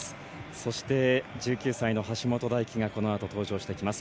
そして、１９歳の橋本大輝がこのあと登場してきます。